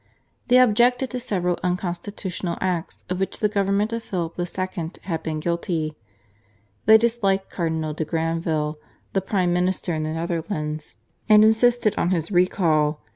They objected to several unconstitutional acts of which the government of Philip II. had been guilty. They disliked Cardinal de Granvelle, the prime minister in the Netherlands, and insisted on his recall.